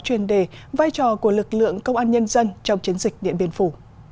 chuyên đề vai trò của lực lượng công an nhân dân trong chiến dịch điện biên phủ